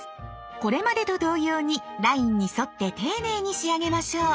これまでと同様にラインに沿って丁寧に仕上げましょう。